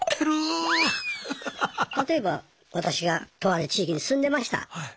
例えば私がとある地域に住んでました。